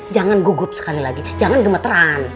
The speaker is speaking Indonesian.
jangan gugup sekali lagi jangan gemeteran